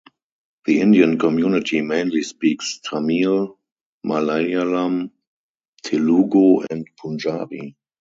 The Indian community mainly speaks Tamil, Malayalam, Telugu and Punjabi.